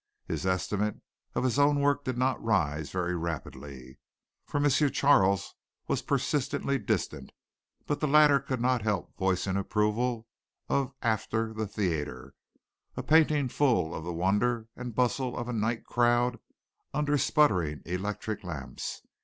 His estimate of his own work did not rise very rapidly, for M. Charles was persistently distant, but the latter could not help voicing approval of "After The Theatre," a painting full of the wonder and bustle of a night crowd under sputtering electric lamps.